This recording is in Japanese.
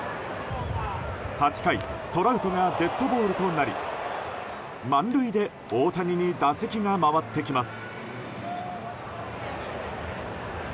８回、トラウトがデッドボールとなり満塁で大谷に打席が回ってきます。